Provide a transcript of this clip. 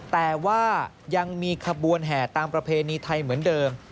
แต่ว่ายังมีขบวนแห่ตามประเพณีไทยเหมือนเดิม